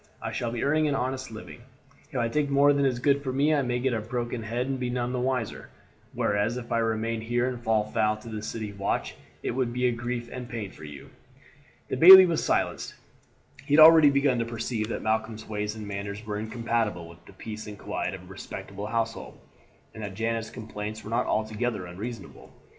I shall be earning an honest living; if I take more than is good for me I may get a broken head and none be the wiser, whereas if I remain here and fall foul of the city watch it would be grief and pain for you." The bailie was silenced. He had already begun to perceive that Malcolm's ways and manners were incompatible with the peace and quiet of a respectable household, and that Janet's complaints were not altogether unreasonable.